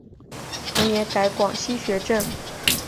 同年改广西学政。